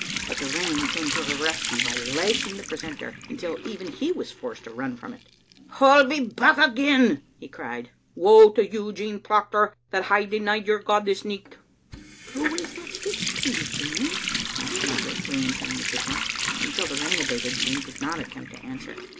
But the rain came to her rescue by lashing the precentor until even he was forced to run from it. "I'll be back again," he cried. "Woe to you, Jean Proctor, that hae denied your God this nicht." "Who was that speaking to you, Jean?" asked Mar garet, re entering the kitchen. Until the rain abated Jean did not attempt to answer.